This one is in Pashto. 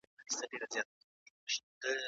د استازو لپاره کوم امتیازات شتون لري؟